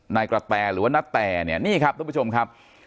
นายกระแตหรือว่านาแตเนี่ยนี่ครับทุกผู้ชมครับ